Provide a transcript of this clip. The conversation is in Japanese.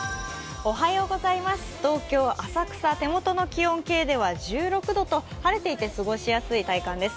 東京・浅草、手元の気温計では１６度と晴れていて、過ごしやすい体感です。